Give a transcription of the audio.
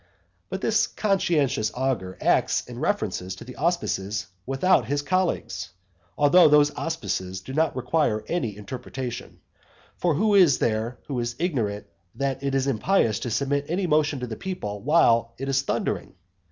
But this conscientious augur acts in reference to the auspices without his colleagues. Although those auspices do not require any interpretation; for who is there who is ignorant that it is impious to submit any motion to the people while it is thundering?